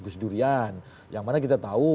gusdurian yang mana kita tahu